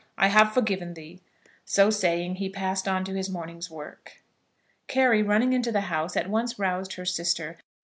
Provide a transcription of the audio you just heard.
I have forgiven thee." So saying he passed on to his morning's work. Carry, running into the house, at once roused her sister.